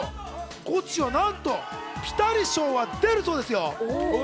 ゴチはなんとピタリ賞が出るそうですよ。